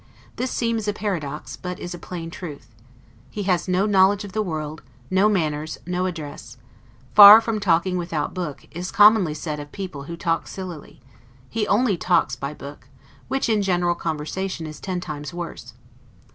This seems a paradox, but is a plain truth; he has no knowledge of the world, no manners, no address; far from talking without book, as is commonly said of people who talk sillily, he only talks by book; which in general conversation is ten times worse.